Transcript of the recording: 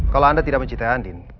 kalau anda tidak mencita andin